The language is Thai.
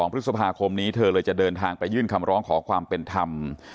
พฤษภาคมนี้เธอเลยจะเดินทางไปยื่นคำร้องขอความเป็นธรรม